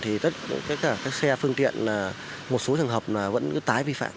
thì tất cả các xe phương tiện một số trường hợp vẫn cứ tái vi phạm